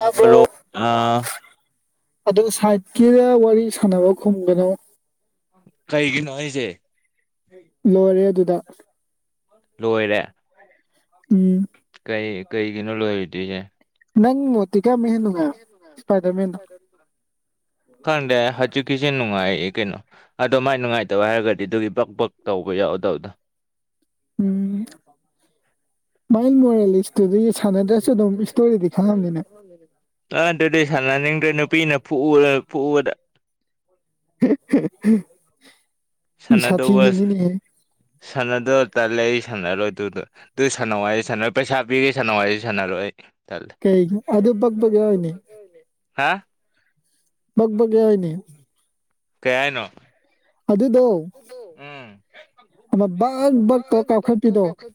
ꯇꯥꯕ꯭ꯔꯣ ꯑꯗꯨ ꯁꯥꯏꯠꯀꯤ ꯋꯥꯔꯤ ꯁꯥꯟꯅꯕ ꯈꯨꯝꯒꯅꯣ ꯀꯩꯒꯤꯅꯣ ꯍꯥꯢꯁꯦ ꯂꯣꯏꯔꯦ ꯑꯗꯨꯗ ꯂꯣꯏꯔꯦ ꯎꯝ ꯀꯩ ꯀꯩꯒꯤꯅꯣ ꯂꯣꯏꯔꯣꯢꯗꯣꯢꯁꯦ ꯅꯣ ꯃꯣꯠꯇꯤ ꯀꯝꯕꯅ ꯍꯥꯟ ꯅꯨꯉꯥꯏ ꯏꯁꯄꯥꯏꯗ꯭ꯥꯔ ꯃꯦꯟꯅ ꯈꯪꯗꯦ ꯍꯧꯖꯤꯛꯀꯤꯁꯦ ꯅꯨꯡꯉꯥꯏꯌꯦ ꯀꯩꯅꯣ ꯑꯗꯣ ꯃꯥꯏ ꯅꯨꯡꯉꯥꯏꯇꯕ ꯍꯥꯏꯔꯒꯗꯤ ꯑꯗꯨꯒꯤ ꯕꯛ ꯕꯛ ꯇꯧꯕ ꯌꯥꯎꯗꯕꯗꯣ [unintelligible] ꯑꯗꯨꯗꯒꯤ ꯁꯥꯟꯅꯗ꯭ꯔꯁꯨ ꯑꯗꯨꯝ ꯏꯁꯇꯣꯔꯤꯗꯤ ꯈꯪꯉꯝꯅꯤꯅꯦ [inaudible] ꯑ ꯑꯗꯨꯗꯤ ꯁꯥꯟꯅꯅꯤꯡꯗ꯭ꯔꯦ ꯅꯨꯄꯤꯅ ꯐꯨꯕꯗ ꯐꯨꯕꯗ [unintelligible] ꯁꯥꯟꯅꯗꯧꯕ ꯁꯥꯟꯗꯧꯕ ꯇꯟꯂꯦ ꯑꯩ ꯁꯥꯟꯅꯔꯣꯏꯗꯨꯗꯣ ꯑꯗꯨ ꯁꯥꯟꯅꯋꯥ ꯍꯥꯏꯁꯦ ꯁꯥꯟꯅꯔꯣꯏ ꯄꯩꯁꯥ ꯄꯤꯒꯦ ꯁꯥꯟꯅꯋꯥ ꯍꯥꯏꯁꯨ ꯁꯥꯟꯅꯔꯣꯏ ꯑꯩ ꯀꯩꯒꯤ ꯑꯗꯨ ꯕꯛ ꯕꯛ ꯌꯥꯎꯔꯤꯅꯦ ꯍꯥ ꯕꯛ ꯕꯛ ꯌꯥꯎꯏꯅꯦ ꯀꯩ ꯍꯥꯏꯅꯣ ꯑꯗꯨꯗꯣ ꯑꯃ ꯕꯛ ꯕꯛ ꯕꯣꯛ ꯀꯥꯎꯈꯠꯄꯤꯗꯣ [unintelligible]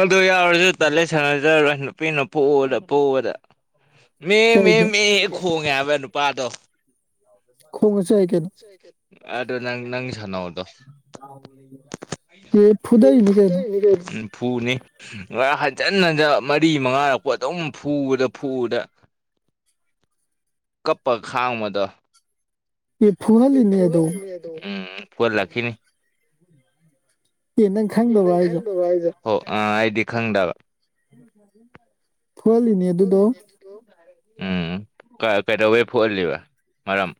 ꯑꯗꯨ ꯌꯥꯎꯔꯁꯨ ꯇꯟꯂꯦ ꯁꯥꯟꯅꯖꯔꯣꯏ ꯅꯨꯄꯤꯅ ꯐꯨꯕꯗ ꯐꯨꯕꯗ ꯃꯦ ꯃꯦ ꯃꯦ ꯈꯣꯡꯉꯦ ꯍꯥꯏꯕ ꯅꯨꯄꯥꯗꯣ ꯈꯣꯡꯉꯁꯨ ꯌꯥꯏ ꯀꯩꯅꯣ ꯑꯗꯣ ꯅꯪ ꯅꯪ ꯁꯥꯟꯅꯧ ꯑꯗꯣ ꯑꯦ ꯐꯨꯗꯩꯅꯤ ꯀꯩꯅꯣ [unintelligible] ꯐꯨꯅꯤ ꯉꯔ ꯍꯟꯖꯟ ꯍꯟꯖꯟ ꯃꯔꯤ ꯃꯉꯥꯔꯛꯄꯨ ꯑꯗꯨꯝ ꯐꯨꯕꯗ ꯐꯨꯕꯗ ꯀꯞꯄꯥꯥ ꯈꯥꯡꯕꯗꯣ ꯎ ꯄꯨꯠꯂꯛꯈꯤꯅꯤ ꯑꯦ ꯅꯡ ꯈꯪꯗꯋꯥꯏꯗ ꯑꯣ ꯑꯥ ꯑꯩꯗꯤ ꯈꯪꯗꯕ ꯐꯨꯍꯜꯂꯤꯅꯦ ꯑꯗꯨꯗꯣ ꯎꯝ ꯀ ꯀꯩꯗꯧꯕꯩ ꯐꯨꯍꯜꯂꯤꯕ ꯃꯔꯝ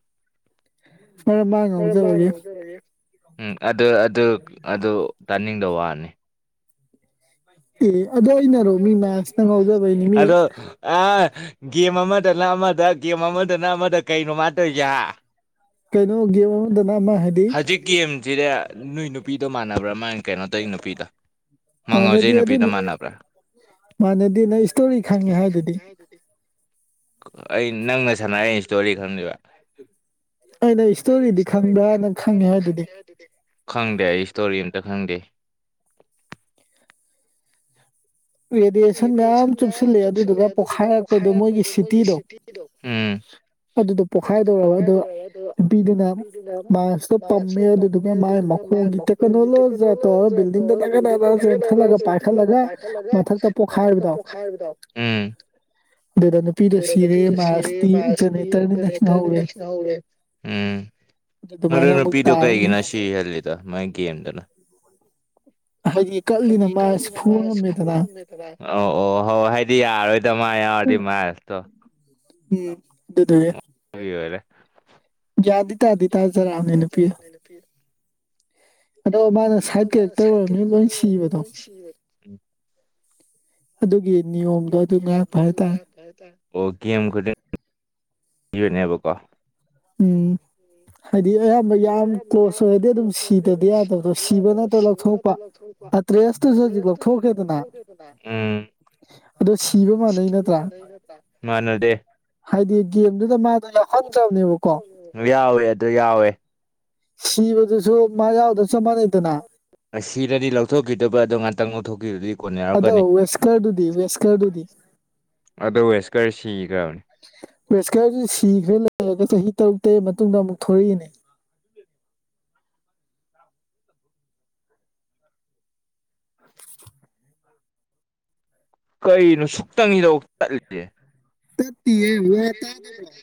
[unintelligible] ꯎꯝ ꯑꯗꯨ ꯑꯗꯨ ꯑꯗꯨ ꯇꯥꯅꯤꯡꯗꯕ ꯋꯥꯅꯤ ꯑꯦ ꯑꯗꯨ ꯑꯩꯅ ꯑꯗꯣ ꯑꯥ ꯒꯦꯝ ꯑꯃꯗꯅꯥ ꯑꯃꯗꯥꯥ ꯒꯦꯝ ꯑꯃꯗꯅꯥ ꯑꯃꯗꯥꯥ ꯀꯩꯅꯣꯃꯟ ꯇꯧꯁꯦ ꯍꯥ ꯀꯩꯅꯣ ꯒꯦꯝ ꯑꯃꯗꯕ ꯑꯃꯥ ꯍꯥꯏꯗꯤ ꯍꯧꯖꯤꯛ ꯒꯦꯝꯁꯤꯗꯤ ꯅꯣꯏ ꯅꯨꯄꯤꯗꯣ ꯃꯥꯟꯅꯕ꯭ꯔꯥ ꯃꯥ- unintelligible ꯀꯩꯅꯣ ꯇꯧꯏ ꯅꯨꯄꯤꯗꯣ ꯃꯥꯥ ꯉꯥꯎꯖꯩ ꯅꯨꯄꯤꯗꯣ ꯃꯥꯟꯅꯕ꯭ꯔꯥ ꯃꯥꯥꯟꯅꯗꯦ ꯅ ꯏꯁꯇꯣꯔꯤ ꯈꯪꯉꯦ ꯍꯥꯏꯗꯨꯗꯤ ꯑꯩ ꯅꯪꯅ ꯁꯥꯟꯅꯔ ꯑꯩꯅ ꯏꯁꯇꯣꯔꯤ ꯈꯪꯗꯨꯏꯕ ꯑꯩꯅ ꯏꯁꯇꯣꯔꯤꯗꯤ ꯈꯪꯕ꯭ꯔꯥ ꯅꯪ ꯈꯪꯉꯤ ꯍꯥꯏꯗꯨꯗꯤ ꯈꯪꯗꯦ ꯑꯩ ꯏꯁꯇꯣꯔꯤ ꯑꯝꯇ ꯈꯪꯗꯦ ꯗꯤꯌꯦꯁꯟꯒꯥ ꯆꯨꯞꯁꯤꯜꯂꯦ ꯑꯗꯨꯗꯨꯒ ꯄꯣꯛꯈꯥꯏꯔꯛꯄꯗꯣ ꯃꯣꯏꯒꯤ ꯁꯤꯇꯤꯗꯣ ꯑꯗꯨꯗ ꯄꯣꯈꯥꯏꯗꯣꯔꯦ ꯑꯗꯨꯒ ꯅꯨꯄꯤꯗꯨꯅ ꯃꯥꯏꯁ ꯄꯝꯃꯤ ꯑꯗꯨꯗꯨꯒ ꯃꯥꯥꯏ unintelligible [unintelligible] ꯕꯤꯜꯗꯤꯡꯗ ꯆꯦꯟꯈꯠꯂꯒꯥ ꯄꯥꯏꯈꯠꯂꯒꯥ ꯃꯊꯛꯇ ꯄꯣꯛꯈꯥꯏꯕꯗꯣ ꯎꯝ Inaudible ꯑꯗꯨꯗ ꯅꯨꯄꯤꯗꯣꯡꯁꯤꯔꯦ ꯃꯥꯏꯜꯁ ꯇꯤ [unintelligible] ꯍꯤꯡꯍꯧꯔꯦ ꯑꯗꯨ ꯅꯨꯄꯤꯗꯣ ꯀꯩꯒꯤꯅꯣ ꯁꯤꯍꯜꯂꯤꯗꯣ ꯃꯥꯥꯏ ꯒꯦꯝꯗꯨꯅ ꯍꯥꯏꯗꯤ ꯀꯠꯂꯤꯅ ꯃꯥꯏꯁ ꯐꯨꯕ ꯉꯝꯃꯤꯗꯅꯥ ꯑꯣ ꯑꯣ ꯍꯣꯍꯣ ꯍꯥꯏꯗꯤ ꯌꯥꯔꯔꯣꯏꯗ ꯃꯥ ꯌꯥꯎꯔꯗꯤ ꯃꯥꯏꯜ ꯎꯝ ꯑꯗꯨꯗꯨꯒꯤ ꯑꯩ ꯑꯣꯏꯔꯦ ꯒꯌ꯭ꯥꯟ ꯗꯤ ꯇꯗꯤ ꯇꯥꯖꯔꯛꯑꯝꯅꯦ ꯅꯨꯄꯤꯗꯨ [inaudible] [unintelligible] ꯂꯣꯏꯅ ꯁꯤꯔꯦ ꯑꯗꯨꯒꯤ ꯅꯤꯌꯣꯝꯗꯣ ꯑꯗꯨ ꯉꯥꯛꯄ ꯍꯥꯏꯇꯥꯔꯦ ꯑꯣ ꯒꯦꯝ ꯈꯨꯗꯤꯡ [unintelligible] ꯅꯦꯕꯀꯣ ꯎꯝ ꯎꯝ ꯍꯥꯏꯗꯤ ꯑꯌꯥꯝꯕ ꯌꯥꯝ ꯀ꯭ꯂꯣꯖ ꯑꯣꯏꯔꯗꯤ ꯑꯗꯨꯝ ꯁꯤꯗꯗꯤ ꯌꯥꯗꯕꯗꯣ ꯁꯤꯕ ꯅꯠꯇ ꯂꯧꯊꯣꯛꯄ ꯑꯠꯇ꯭ꯔꯦꯁꯇꯗꯤ ꯂꯧꯊꯣꯛꯇꯦꯗꯅꯥ ꯎꯝ ꯑꯗꯣ ꯁꯤ unintelligible ꯁꯤꯕ ꯃꯥꯟꯅꯩ ꯅꯠꯇꯔꯥ ꯃꯥꯅꯗꯦ ꯍꯥꯏꯗꯤ ꯒꯦꯝꯗꯨꯗ ꯃꯥꯗꯣ ꯌꯥꯎꯍꯟꯗ꯭ꯔꯕꯅꯦꯕ ꯌꯥꯎꯋꯦ ꯑꯗꯨ ꯌꯥꯎꯋꯦ ꯁꯤꯕꯗꯨꯁꯨ ꯃꯥ ꯌꯥꯎꯗꯁꯨ ꯆꯞ ꯃꯥꯟꯅꯩꯗꯅꯥ ꯑꯁꯤꯔꯗꯤ ꯂꯧꯊꯣꯛꯈꯤꯗꯣꯕ ꯩꯑꯗꯣ ꯉꯛꯇꯪ ꯂꯧꯊꯣꯛꯈꯤꯕꯗꯤ ꯀꯣꯟꯅ ꯌꯥꯎꯔꯛꯀꯅꯤ ꯑꯗꯣ ꯋꯦꯁꯀꯔ ꯁꯤꯒꯔ꯭ꯕꯅꯤ ꯋꯦꯁꯀꯔꯁ ꯁꯤꯈ꯭ꯔꯦ ꯂꯩꯔꯒ ꯆꯍꯤ ꯇꯔꯨꯛ ꯇꯔꯦꯠ ꯃꯇꯨꯡꯗ ꯑꯃꯨꯛ ꯊꯣꯔꯛꯏꯅꯦ ꯀꯔꯤꯅꯣ ꯁꯨꯛꯇꯪꯒꯤꯗꯧ ꯇꯠꯂꯤꯖꯦ ꯇꯠꯇꯤꯌꯦ ꯋꯥ ꯇꯥꯗꯕꯔꯣ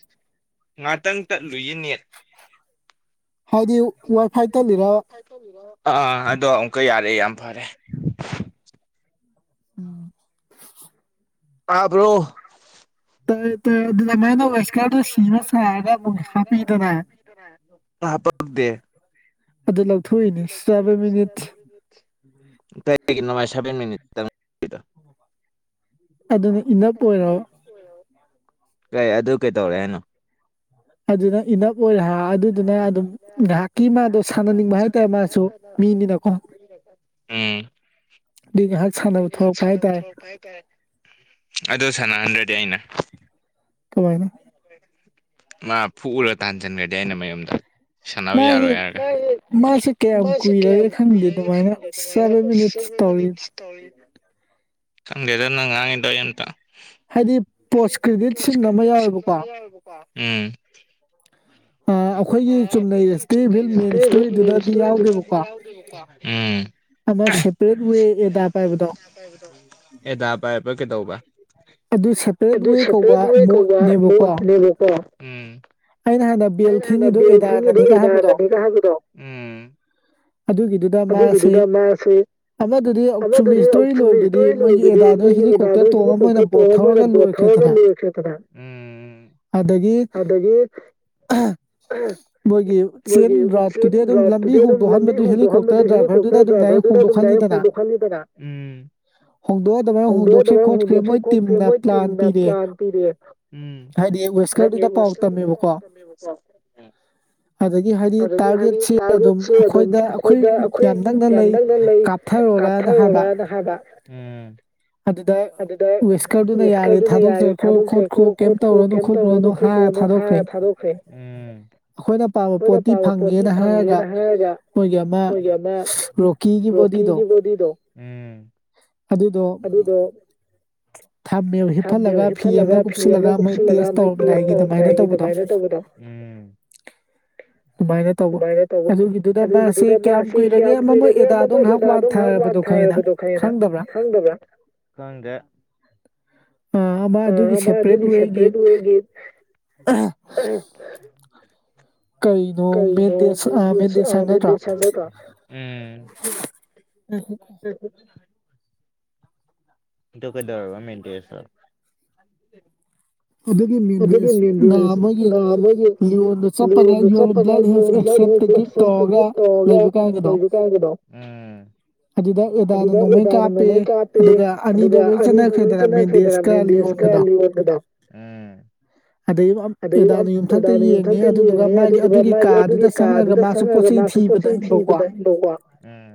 ꯉꯥꯛꯇꯪ ꯇꯠꯂꯨꯏꯌꯦ ꯅꯦꯠ ꯍꯥꯏꯗꯤ ꯋꯥꯏ ꯐꯥꯏ ꯇꯠꯂꯤꯔ ꯑꯥ ꯑꯗꯣ ꯑꯃꯨꯛꯀ ꯌꯥꯔꯦ ꯌꯥꯝ ꯐꯔꯦ ꯎꯝ ꯇꯥꯕ꯭ꯔꯣ ꯇꯥꯏ ꯇꯥꯏ ꯑꯗꯨꯅ ꯃꯥꯅ [unintelligible] ꯑꯗꯨ ꯂꯧꯊꯣꯛꯏꯅꯦ ꯆꯥꯕ ꯃꯤꯅꯤꯠ [unintelligible] ꯁꯕꯦꯟ ꯃꯤꯅꯤꯠ ꯇꯠꯂꯤꯗꯣ ꯑꯗꯨꯅ ꯏꯅꯞ ꯑꯣꯏꯔꯕ ꯀꯩ ꯑꯗꯨ ꯀꯩꯗꯧꯔꯦ ꯍꯥꯏꯅꯣ ꯑꯗꯨꯅ ꯏꯅꯞ ꯑꯣꯏꯔꯦ ꯍꯥ ꯑꯗꯨꯗꯨꯅ ꯑꯗꯨꯝ ꯉꯥꯏꯍꯥꯛꯀꯤ ꯃꯥꯗꯣ ꯁꯥꯟꯅꯅꯤꯡꯕ ꯍꯥꯏꯇꯥꯔꯦ ꯃꯥꯁꯨ ꯃꯤꯅꯤꯅꯀꯣ ꯑꯗꯨꯏ ꯉꯥꯏꯍꯛ ꯁꯥꯟꯅꯕ ꯊꯣꯛꯂꯛꯄ ꯍꯥꯏꯇꯥꯔꯦ ꯑꯗꯣ ꯁꯥꯟꯅꯍꯟꯗ꯭ꯔꯗꯤ ꯑꯩꯅ ꯀꯃꯥꯏꯅ ꯃꯥ ꯐꯨꯔ ꯇꯥꯟꯁꯤꯟꯈ꯭ꯔꯗꯤ ꯑꯩꯅ ꯃꯌꯨꯝꯗ ꯃꯥꯁꯦ ꯃꯥꯁꯦ ꯀꯌꯥꯝ ꯀꯨꯏꯔꯒꯦ ꯈꯪꯗꯦ ꯑꯗꯨꯃꯥꯏꯅ ꯑꯁ ꯁꯕꯦꯟ ꯃꯤꯅꯤꯠ ꯇꯧꯔꯤ ꯇꯧꯋꯤ ꯈꯪꯗꯦꯗ ꯅꯪ ꯉꯥꯡꯉꯤꯗꯣ ꯑꯩ ꯑꯝꯇ ꯍꯥꯏꯗꯤ ꯄꯣꯁ ꯀ꯭ꯔꯦꯗꯤꯠ ꯁꯤꯟ ꯑꯃ ꯌꯥꯎꯋꯦꯕꯀꯣ ꯎꯝ ꯑ ꯑꯩꯈꯣꯏꯒꯤ ꯆꯨꯝꯅꯩ ꯏꯁꯇꯚꯤꯜ ꯃꯦꯟ ꯏꯁꯇꯣꯔꯤꯗꯨꯗꯗꯤ ꯌꯥꯎꯗꯦꯕꯀꯣ ꯑꯃ ꯁꯦꯄꯔꯦꯠ ꯋꯦꯌ ꯑꯦꯗꯥ ꯄꯥꯏꯕꯗꯣ ꯑꯦꯗ ꯄꯥꯏꯕꯥ ꯀꯩꯗꯧꯕ ꯑꯗꯨ ꯁꯦꯄꯔꯦꯠ ꯋꯦꯌ ꯀꯧꯕ ꯅꯣꯠ ꯅꯦꯕꯀꯣ ꯑꯩꯅ ꯍꯥꯟꯅ ꯕꯦꯜ ꯈꯤꯡꯉꯤꯗꯣ ꯑꯦꯗꯥꯅꯅꯤꯒ ꯍꯥꯏꯕꯗꯣ ꯑꯗꯨꯒꯤ ꯑꯗꯨꯒꯤꯗꯨꯗ ꯃꯥꯁꯦ ꯑꯃꯗꯨꯗꯤ ꯆꯨꯝꯅꯩ ꯏꯁꯇ꯭ꯣꯔꯤ ꯂꯣꯏꯗꯨꯗꯤ ꯅꯣꯏꯒꯤ ꯑꯦꯗꯥꯗꯣ ꯍꯤꯂꯤꯀꯣꯞꯇꯔ ꯇꯧꯔ ꯃꯣꯏꯅ ꯕꯣꯠ ꯊꯧꯔꯒ ꯂꯣꯏꯈꯔ꯭ꯦꯗꯅꯥ ꯎꯝ ꯑꯗꯒꯤ [unintelligible] ꯃꯣꯏꯒꯤ ꯁꯦꯝ ꯔꯥꯎꯠꯇꯨꯗꯤ ꯑꯗꯨꯝ ꯂꯝꯕꯤ ꯍꯣꯡꯗꯣꯛꯍꯟꯕꯗꯤ ꯍꯤꯂꯤꯀꯣꯞꯇꯔ ꯗ꯭ꯔꯥꯏꯚꯔꯗꯨꯗ ꯑꯗꯨꯝ ꯗꯥꯏ ꯍꯧꯗꯣꯛꯍꯜꯂꯤꯗꯅ ꯎꯝ ꯍꯣꯡꯗꯣꯛꯑ ꯑꯗꯨꯃꯥꯏꯅ ꯍꯣꯡꯗꯣꯛꯈ꯭ꯔꯦ ꯈꯣꯠꯈ꯭ꯔꯦ ꯃꯣꯏ ꯇꯤꯝꯅ ꯄ꯭ꯂꯥꯟ ꯄꯤꯔꯦ ꯍꯥꯏꯗꯤ ꯋꯦꯏꯀꯜꯗꯨꯗ ꯄꯥꯎ ꯗꯨꯗ ꯄꯥꯎ ꯇꯝꯃꯦꯕꯥꯀꯣ ꯑꯗꯒꯤ ꯍꯥꯏꯗꯤ ꯀꯜꯒꯨꯠ ꯁꯦꯜ ꯗꯣ ꯑꯩꯈꯣꯏꯗ ꯑꯩꯈꯣꯏ ꯌꯥꯝ ꯅꯪꯅ ꯂꯩ ꯀꯞꯊꯔꯣꯔꯥꯅ ꯍꯥꯏꯕꯥ ꯎꯝ ꯑꯗꯨꯗ ꯋꯦꯁꯀꯔꯗꯨꯅ ꯌꯥꯔꯦ ꯊꯥꯗꯣꯛꯆꯈ꯭ꯔꯣ ꯈꯣꯠꯈꯔꯣ ꯀꯩꯝ ꯇꯧꯔꯅꯨ ꯈꯣꯠꯈꯔꯣꯔꯅꯨ ꯍꯥꯏꯔꯥ ꯊꯥꯗꯣꯛꯈ꯭ꯔꯦ ꯎꯝ ꯑꯩꯈꯣꯏꯅ ꯄꯥꯝꯕ ꯄꯣꯠꯇꯤ ꯐꯪꯌꯦꯅ ꯍꯥꯏꯔꯒ ꯃꯣꯏꯒꯤ ꯑꯃ ꯔꯣꯛꯀꯤꯒꯤ ꯕꯣꯗꯤꯗꯣ ꯑꯗꯨꯗꯣ ꯊꯞꯃꯦꯕ ꯍꯤꯞꯐꯜꯂꯒ ꯐꯤ ꯑꯃ ꯀꯨꯞꯁꯤꯜꯂꯒ ꯃꯣꯏ ꯇꯦꯁ ꯇꯧꯔ ꯃꯥꯏꯅꯤ ꯑꯗꯨꯃꯥꯏꯅꯥ ꯇꯧꯕꯗꯣ ꯎꯝ ꯑꯗꯨꯃꯥꯏꯅ ꯇꯧꯕ ꯑꯗꯨꯒꯤꯗꯨꯗ ꯃꯥꯁꯦ ꯀꯌꯥꯝ ꯀꯨꯏꯔꯒꯦ ꯑꯃ ꯑꯦꯗꯥꯗꯣ ꯉꯍꯥꯛ ꯋꯥꯟ ꯊꯥꯕꯗꯣ ꯈꯪꯌꯦꯗꯅ ꯈꯪꯗꯕ꯭ꯔꯥ ꯈꯪꯗꯦ ꯑꯥ ꯃꯥ ꯑꯗꯨꯗꯤ ꯁꯦꯄꯔꯦꯠ ꯋꯦꯌꯒꯤ ꯀꯩꯅꯣ ꯃꯦꯟꯗꯦꯁ ꯑ ꯃꯦꯟꯗꯦꯁ ꯁꯟꯅꯗꯔꯣ ꯎꯣ ꯎꯝ ꯎꯝ ꯀꯩꯗꯔꯔꯕ ꯃꯦꯟꯇ ꯆꯄ ꯀꯥꯡ ꯭ꯂ ꯁ ꯇꯣꯡꯉꯒ ꯂꯩꯕ ꯀꯥꯟꯒꯤꯗꯣ ꯑꯗꯨꯗ ꯑꯗꯨꯗ ꯑꯦꯗꯥꯅ ꯅꯣꯡꯃꯩ ꯀꯥꯞꯄꯦ ꯑꯗꯨꯒ ꯑꯅꯤꯗ ꯂꯣꯏ ꯆꯠꯅꯈ꯭ꯔꯦꯗꯅ ꯃꯦꯟꯗꯦꯁꯀ ꯗ ꯎꯝ ꯑꯗꯩ ꯑꯗꯩ ꯑꯦꯗꯥꯅ ꯌꯨꯝꯊꯛꯇ ꯌꯦꯡꯉꯦ ꯑꯗꯨꯗꯨꯒ ꯃꯥꯒꯤ ꯑꯗꯨꯒꯤ ꯀꯥꯗꯨꯗ ꯆꯪꯉꯛꯒ ꯃꯥꯁꯨ ꯄꯣꯠꯆꯩ ꯊꯤꯕꯗꯏ ꯎꯝ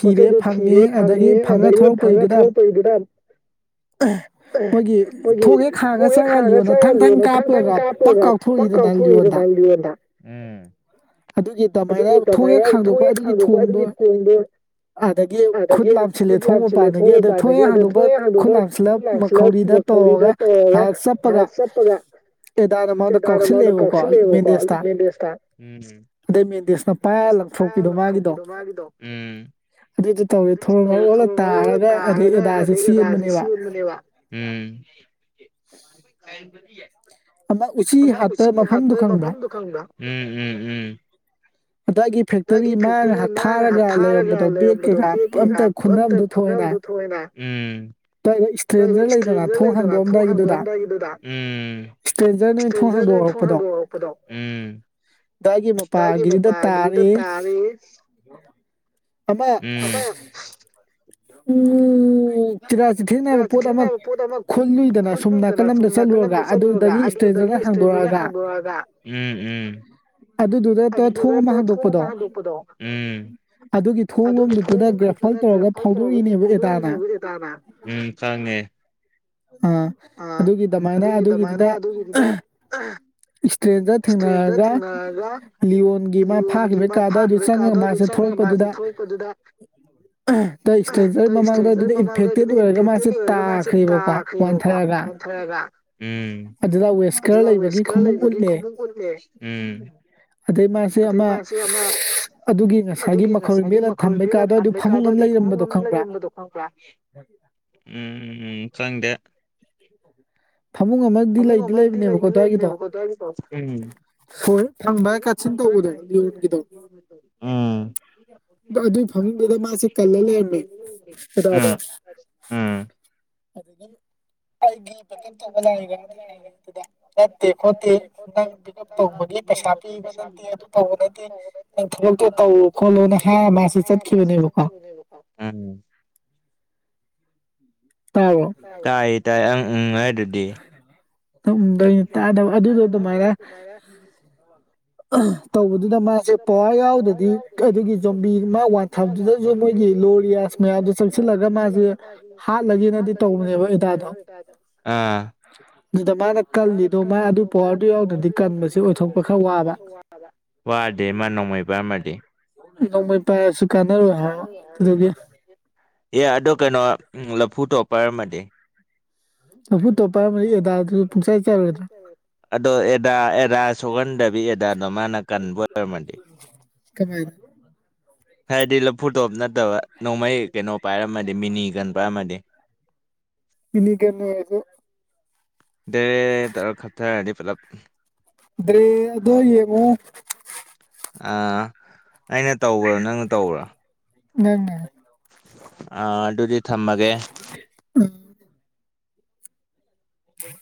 ꯐꯣꯠꯇꯣꯗꯣ ꯊꯤꯔꯦ ꯐꯪꯉꯦ ꯑꯗꯒꯤ ꯐꯪꯉ ꯊꯣꯔꯛꯄꯩꯗꯨꯗ ꯃꯣꯏꯒꯤ ꯊꯣꯡ ꯍꯦꯛ ꯍꯥꯡꯉꯒ ꯆꯪꯉ ꯂꯤꯌꯣꯟ ꯆꯪꯉꯥ ꯂꯦꯡꯉꯦ ꯊꯪ ꯊꯪ ꯀꯥꯞꯄꯒ ꯄꯛ ꯀꯥꯎꯊꯣꯛꯑꯦ ꯂꯤꯌꯣꯟꯗꯥ ꯎꯝ ꯑꯗꯨꯒꯤ ꯀꯃꯥꯏꯅ ꯊꯣꯛꯍꯦꯛ ꯈꯥꯡꯗꯣꯛꯄ ꯑꯗꯨꯒꯤ ꯀꯣꯜꯗꯣ ꯑꯗꯒꯤ ꯈꯨꯠ ꯂꯥꯝꯁꯤꯜꯂꯦ ꯊꯣꯡ ꯃꯄꯥꯟꯗꯒꯤ ꯑꯗ ꯊꯣꯡ ꯍꯦꯛ ꯍꯥꯡꯗꯣꯛꯄ ꯈꯨꯠ ꯂꯥꯝꯁꯤꯜꯂ ꯀꯣꯜ ꯄꯧꯔꯤꯗ [unintelligible] ꯄꯥꯏꯜꯁ ꯆꯞꯄꯒ ꯑꯦꯗꯥꯗꯣ ꯃꯉꯣꯟꯗ ꯀꯥꯎꯁꯤꯜꯂꯛꯑꯦꯕꯀꯣ ꯃꯦꯟꯗꯦꯁꯇꯥ ꯎꯝ ꯑꯗꯩ ꯃꯦꯟꯗꯤꯁꯅꯥ ꯗꯦꯁꯅꯥ ꯄꯥꯏꯔꯒ ꯂꯪꯊꯣꯛꯄꯤꯗꯣ ꯃꯥꯒꯤꯗꯣ ꯎꯝ ꯑꯗꯨꯗꯣ ꯇꯧꯋꯦ ꯊꯣꯔꯣ ꯃꯜꯂꯣ ꯑꯣꯜꯂꯥ ꯇꯥꯔꯒ ꯑꯗꯩ ꯑꯦꯗꯥꯁꯦ ꯆꯦꯟꯕꯅꯦꯕ ꯎꯝ [unintelligible] ꯑꯗꯥ ꯎꯆꯤ ꯍꯥꯠꯄ ꯃꯐꯝꯗꯣ ꯈꯪꯕ꯭ꯔꯥ ꯎꯝ ꯎꯝ ꯎꯝ ꯑꯗꯥꯏꯒꯤ ꯑꯗꯥꯏꯒꯤ ꯐꯦꯛꯇꯔꯤ ꯃꯥꯅ ꯍꯥꯞ ꯊꯥꯔꯒ ꯂꯩꯔꯝꯕꯗꯣ ꯕꯦꯛ ꯀꯩꯀꯥ ꯑꯝꯇ ꯈꯨꯟꯅꯕꯗꯣ ꯊꯧꯛꯋꯣꯏꯅ ꯎꯝ ꯑꯩ ꯏꯁꯇ꯭ꯔꯦꯟꯖꯔ ꯂꯩꯗꯅ ꯊꯣꯡ ꯍꯥꯡꯗꯣꯛꯑꯝꯗꯥꯏꯒꯤꯗꯨꯗꯥ ꯎꯝ ꯏꯁꯇ꯭ꯔꯦꯟꯖꯔꯅ ꯊꯣꯡ ꯍꯥꯡꯗꯣꯔꯛꯄꯗꯣ ꯎꯝ ꯗꯥꯏꯒꯤ ꯃꯄꯥꯒꯤꯗꯨꯗ ꯇꯥꯌꯦ ꯑꯃ ꯎꯝ ꯆꯤꯔꯥ ꯆꯤꯊꯦꯛ ꯅꯥꯏꯕ ꯄꯣꯠ ꯑꯃ ꯈꯨꯜꯂꯨꯏꯗꯅ ꯁꯨꯝ ꯅꯥꯀꯜꯑꯝꯗ ꯆꯠꯂꯨꯔꯒ ꯑꯗꯨꯗꯒꯤ ꯑꯗꯨꯗꯒꯤ ꯏꯁꯇ꯭ꯔꯦꯟꯖꯔꯅ ꯍꯥꯡꯗꯣꯛꯑꯔꯒꯥ ꯎꯝ ꯎꯝ ꯑꯗꯨꯗꯨꯒ ꯇꯠ ꯗꯨꯗꯩ ꯇꯠ ꯊꯣꯡ ꯑꯃ ꯍꯥꯡꯗꯣꯛꯄꯗꯣ ꯎꯝ ꯑꯗꯨꯒꯤ ꯊꯣꯡ ꯂꯣꯝꯗꯨꯗꯨꯗ ꯒ꯭ꯔꯦꯐꯜ ꯇꯧꯔꯒ ꯐꯧꯗꯣꯔꯛꯏꯅꯦꯕ ꯑꯦꯗꯥꯅ ꯗꯅꯥ ꯎꯝ ꯈꯪꯉꯦ ꯑꯥ ꯑꯗꯨꯒꯤ ꯗꯃꯥꯏꯅ ꯑꯗꯨꯒꯤꯗꯨꯗ ꯏꯁꯇ꯭ꯔꯦꯟꯖꯔ ꯊꯦꯡꯅꯒ ꯂꯤꯌꯣꯟꯒꯤ ꯃꯥ ꯐꯥꯈꯤꯕꯩ ꯀꯥꯗꯣ ꯑꯗꯨ ꯆꯪꯉꯥ ꯃꯥꯁꯦ ꯊꯣꯔꯛꯄꯗꯨꯗ [unintelligible] ꯇꯣ ꯏꯁꯇ꯭ꯔꯦꯟꯖꯔ ꯃꯃꯥꯡꯗ ꯑꯗꯥꯏꯗꯨꯗ ꯏꯟꯐꯦꯛꯇꯦꯠꯂꯤ ꯑꯣꯏꯔ ꯃꯥꯁꯦ ꯇꯥꯥ ꯈ꯭ꯔꯦꯕꯀꯣ ꯋꯥꯟꯊꯔꯒ ꯎꯝ ꯑꯗꯨꯗ ꯋꯦꯁꯀꯔ ꯂꯩꯕꯒꯤ ꯈꯃꯨꯛ ꯎꯠꯂꯦ ꯑꯗꯩ ꯃꯥꯁꯦ ꯑꯃ ꯑꯗꯨꯒꯤ ꯉꯁꯥꯏꯒꯤ ꯃꯈꯧꯔꯤ ꯁꯥꯏꯒꯤ ꯃꯈꯧꯔꯤ ꯃꯦꯠꯂꯥ ꯊꯝꯕꯩ ꯀꯥ ꯗ꯭ꯋꯥꯏꯗꯨꯗ ꯐꯃꯨꯡ ꯑꯃ ꯂꯩꯔꯝꯕꯗꯣ ꯈꯪꯕ꯭ꯔꯥ ꯎꯝ ꯎꯝ ꯎꯝ ꯈꯪꯗꯦ ꯐꯃꯨꯡ ꯑꯃꯗꯤ ꯂꯩꯗꯤ ꯂꯩꯕꯅꯦꯕꯀꯣ ꯗ꯭ꯋꯥꯏꯒꯤꯗꯣ ꯁꯣ ꯐꯪꯕ ꯀꯠꯁꯤꯟ ꯇꯧꯕꯗꯣ ꯂꯤꯌꯣꯟꯒꯤꯗꯣ ꯑꯗꯨꯏ ꯐꯃꯨꯡꯗꯨꯗ ꯃꯥꯁꯦ ꯀꯜꯂꯥ ꯂꯩꯔꯝꯃꯦ ꯑꯗꯥꯗꯣ ꯑꯗꯒꯤ ꯑꯩꯒꯤ ꯕꯦꯛꯀꯞ ꯇꯧꯕ ꯂꯥꯛꯏꯔꯥ ꯑꯦꯗꯥꯗ ꯍꯪꯉꯦ ꯑꯗꯨꯗ ꯅꯠꯇꯦ ꯈꯣꯠꯇꯦ ꯅꯪ ꯕꯦꯛꯎꯞ ꯇꯧꯕꯒꯤ ꯄꯩꯁꯥ ꯄꯤꯕ ꯅꯠꯇꯦ ꯑꯗꯨ ꯇꯧꯕ ꯅꯠꯇꯦ ꯅꯪ ꯊꯕꯛꯇꯣ ꯇꯧ ꯈꯣꯠꯂꯨꯅ ꯍꯥꯏꯔꯥ ꯃꯥꯁꯦ ꯆꯠꯈꯤꯕꯅꯦꯕꯀꯣ ꯎꯝ ꯇꯕ꯭ꯔꯥ ꯇꯥꯏꯌꯦ ꯇꯥꯏꯌꯦ ꯑꯪ ꯎꯝ ꯍꯥꯏꯗꯨꯗ ꯅꯪ ꯎꯝ ꯗꯣ ꯑꯩꯅ ꯇꯥꯗꯕ ꯑꯗꯨꯗꯣ ꯗꯨꯃꯥꯏꯅ [inaudible] [unintelligible] ꯇꯧꯕꯗꯨꯅ ꯃꯥꯁꯦ ꯄꯋꯥꯔ ꯌꯥꯎꯗ꯭ꯔꯗꯤ ꯑꯗꯨꯒꯤ ꯖꯣꯝꯕꯤ ꯃꯥ ꯋꯥꯟ ꯊꯝꯗꯨꯗꯁꯨ ꯃꯣꯏꯒꯤ ꯂꯣꯔꯤꯌꯥꯁ ꯃꯌꯥꯝꯗꯣ ꯆꯪꯁꯤꯜꯂꯒ ꯃꯥꯁꯦ ꯍꯥꯠꯂꯒꯦꯅꯗꯤ ꯇꯧꯕꯅꯦꯕ ꯑꯦꯗꯥꯗꯣ [unintelligible] ꯑꯥ ꯑꯗꯨꯗ ꯃꯥꯅ ꯀꯜꯂꯤꯗꯣ ꯃꯥ ꯑꯗꯨ ꯄꯋꯥꯔꯗꯨ ꯌꯥꯎꯗ꯭ꯔꯗꯤ ꯀꯟꯕꯁꯦ ꯑꯣꯏꯊꯣꯛꯄ ꯈꯔ ꯋꯥꯕ ꯋꯥꯕ ꯋꯥꯗꯦ ꯃꯥ ꯅꯣꯡꯃꯩ ꯄꯥꯏꯔꯝꯃꯗꯤ ꯅꯣꯡꯃꯩ ꯄꯥꯏꯔꯁꯨ ꯀꯥꯟꯅꯔꯣꯏ ꯍꯥꯏ ꯑꯗꯨꯗꯒꯤ ꯑꯦ ꯑꯗꯣ ꯀꯩꯅꯣ ꯂꯐꯨ ꯇꯣꯄꯔꯝꯃꯗꯤ ꯅꯐꯨ ꯇꯣꯞꯄꯔꯤ ꯑꯦꯗꯥꯗꯨ ꯄꯨꯡꯆꯥꯏ ꯆꯥꯔꯣꯏꯗ꯭ꯔꯥ ꯑꯗꯣ ꯑꯦꯗꯥ ꯑꯦꯗꯥ ꯁꯣꯛꯍꯟꯗꯕꯤ ꯑꯦꯗꯥꯗꯣ ꯃꯥꯅ ꯀꯟꯕ ꯑꯣꯏꯔꯝꯃꯗꯤ ꯀꯃꯥꯏꯅ ꯍꯥꯏꯔꯗꯤ ꯂꯐꯨꯇꯣꯞ ꯅꯠꯇꯕ ꯅꯣꯡꯃꯩ ꯀꯩꯅꯣ ꯄꯥꯏꯔꯝꯃꯗꯤ ꯃꯤꯅꯤꯒꯟ ꯄꯥꯏꯔꯝꯃꯗꯤ ꯏꯅꯤ ꯀꯦꯟꯅꯁꯨ ꯗ ꯈꯞꯊꯔꯗꯤ ꯄꯨꯂꯞ ꯑꯗꯨꯗ꯭ꯔꯦ ꯑꯗꯨꯗꯣ ꯌꯦꯉꯣ ꯑ ꯑꯩꯅ ꯇꯧꯕ꯭ꯔꯣ ꯅꯪꯅ ꯇꯧꯕ꯭ꯔꯣ ꯅꯪꯅꯦ ꯑ ꯑꯗꯨꯗꯤ ꯊꯝꯃꯒꯦ ꯎꯝ ꯎꯝ